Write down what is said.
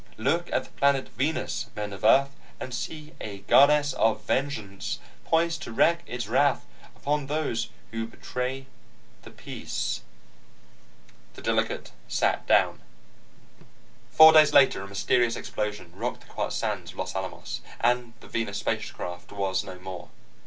Look at the planet Venus, men of Earth, and see a Goddess of Vengeance, poised to wreak its wrath upon those who betray the peace." The Delegate sat down. Four days later, a mysterious explosion rocked the quiet sands of Los Alamos, and the Venus spacecraft was no more.